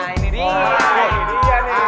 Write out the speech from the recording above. nah ini dia nih